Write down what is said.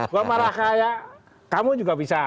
gue marah kayak kamu juga bisa